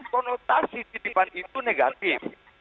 konotasi titipan itu negatif